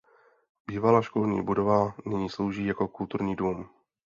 Bývalá školní budova nyní slouží jako kulturní dům.